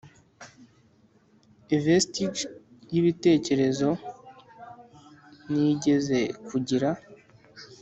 a vestige yibitekerezo nigeze kugira,